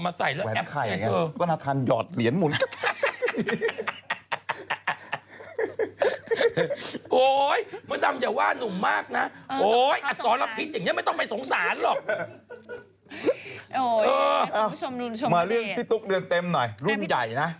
มาเรื่องพี่ตุ๊กเดือนเต็มหน่อยรุ่นใหญ่นะ